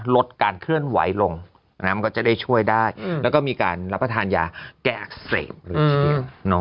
ลดการเคลื่อนไหวลงมันก็จะได้ช่วยได้แล้วก็มีการรับประทานยาแก้อักเสบเลยทีเดียว